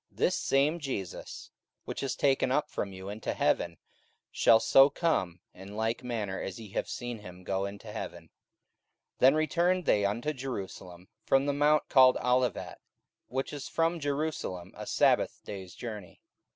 this same Jesus, which is taken up from you into heaven, shall so come in like manner as ye have seen him go into heaven. 44:001:012 Then returned they unto Jerusalem from the mount called Olivet, which is from Jerusalem a sabbath day's journey.